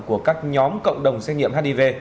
của các nhóm cộng đồng xét nghiệm hdv